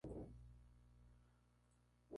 Situada en la ciudad de Troyes, en Champaña-Ardenas.